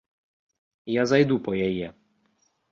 Я зайду па яе.